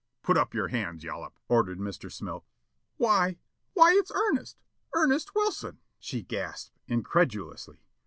"Put up your hands, Yollop!" ordered Mr. Smilk. "Why, why, it's Ernest, Ernest Wilson," she gasped, incredulously.